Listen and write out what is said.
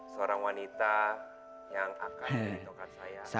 seorang wanita yang akan mencintai saya